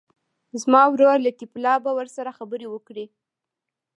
زما ورور لطیف الله به ورسره خبرې وکړي.